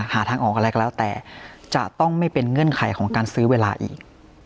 หาทางออกอะไรก็แล้วแต่จะต้องไม่เป็นเงื่อนไขของการซื้อเวลาอีก